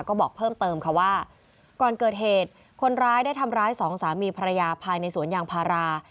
ก็บอกเพิ่มเติมค่ะว่าก่อนเกิดเหตุคนร้ายได้ทำร้ายสองสามีภรรยาภายในสวนยางพารา